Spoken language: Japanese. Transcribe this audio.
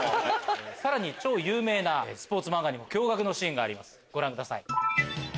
さらに超有名なスポーツ漫画にも驚愕のシーンがあります。